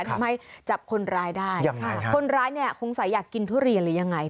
ทำให้จับคนร้ายได้คนร้ายเนี่ยสงสัยอยากกินทุเรียนหรือยังไง